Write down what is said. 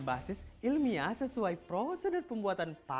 basis ilmiah sesuai prosedur pembuatan yang diperlukan